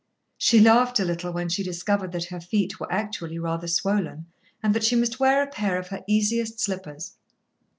She laughed a little when she discovered that her feet were actually rather swollen, and that she must wear a pair of her easiest slippers.